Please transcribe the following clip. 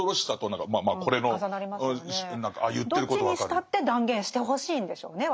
どっちにしたって断言してほしいんでしょうね